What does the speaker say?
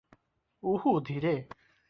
উহ, ধীরে।